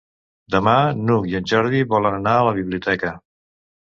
Demà n'Hug i en Jordi volen anar a la biblioteca.